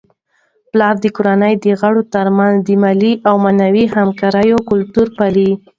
پلار د کورنی د غړو ترمنځ د مالي او معنوي همکاریو کلتور پالي.